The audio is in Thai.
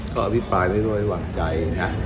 ก็อภิปรายไปด้วยหวังใจ